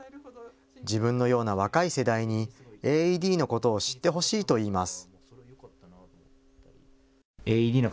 自分のような若い世代にＡＥＤのことを知ってほしいといいます。